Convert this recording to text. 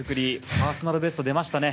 パーソナルベストが出ましたね。